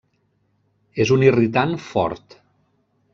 És un irritant fort.